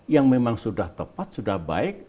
yang memang sudah tepat sudah baik